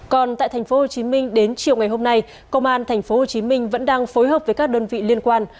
còn tại tp hcm đến chiều ngày hôm nay công an tp hcm vẫn đang phối hợp với các đơn vị liên quan